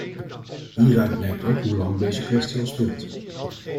Hieruit blijkt ook hoe lang deze kwestie al speelt.